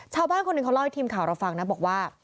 ชาวบ้านคนหนึ่งเขาเล่าให้ทีมข่าวเราฟังนะบอกว่า